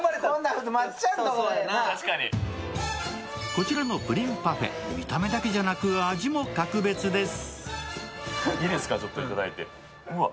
こちらのプリンパフェ、見た目だけじゃなく味も格別です。